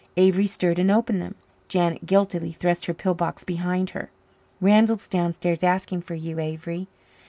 Avery stirred and opened them. Janet guiltily thrust her pill box behind her. "Randall is downstairs asking for you, Avery."